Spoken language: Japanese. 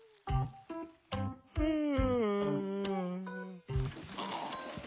うん。